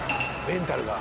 メンタルが。